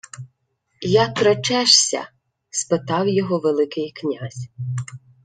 — Як речешся? — спитав його Великий князь.